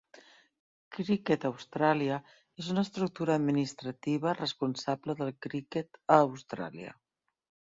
Cricket Australia és una estructura administrativa responsable del criquet a Austràlia.